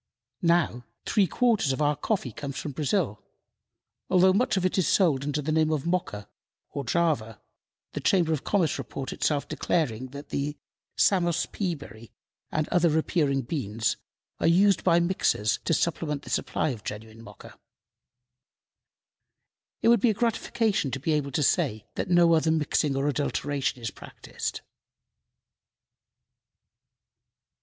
Now, three quarters of our coffee comes from Brazil, although much of it is sold under the name of Mocha or Java, the Chamber of Commerce report itself declaring that the "Santos pea berry and other similar appearing beans are used by mixers to supplement the supply of genuine Mocha." It would be a gratification to be able to say that no other mixing or adulteration is practiced.